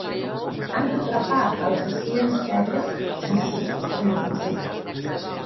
Han d'atrapar a l'assassí en sèrie sense ser vistos per la policia.